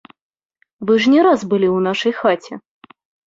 Вы ж не раз былі ў нашай хаце.